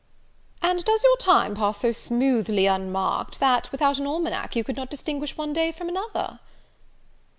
"And does your time pass so smoothly unmarked, that, without an almanack, you could not distinguish one day from another?"